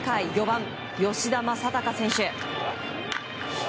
４番、吉田正尚選手。